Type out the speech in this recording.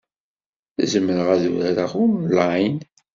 Zemreɣ ad urareɣ onlayn?